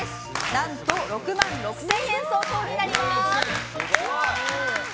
何と６万６０００円相当になります。